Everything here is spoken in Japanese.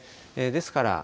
ですから。